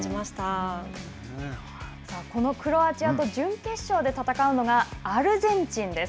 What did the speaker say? このクロアチアと準決勝で戦うのがアルゼンチンです。